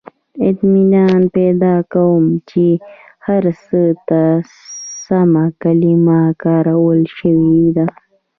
• اطمینان پیدا کوم، چې هر څه ته سمه کلمه کارول شوې ده.